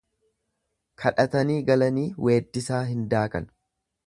Kadhatanii galanii weeddisaa hin daakan.